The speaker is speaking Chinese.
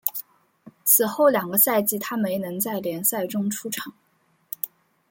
此后两个赛季他没能在联赛中出场。